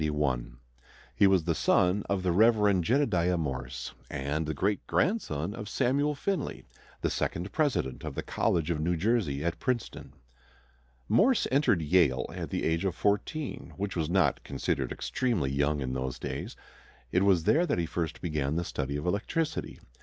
He was the son of the Rev. Jedediah Morse, and the great grandson of Samuel Finley, the second president of the College of New Jersey at Princeton. Morse entered Yale at the age of fourteen, which was not considered extremely young in those days. It was there that he first began the study of electricity.